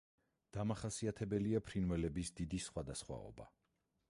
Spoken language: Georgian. დამახასიათებელია ფრინველების დიდი სხვადასხვაობა.